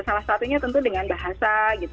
salah satunya tentu dengan bahasa gitu